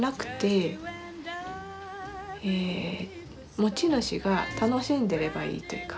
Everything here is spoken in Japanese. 持ち主が楽しんでればいいというか。